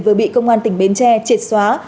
vừa bị công an tỉnh bến tre triệt xóa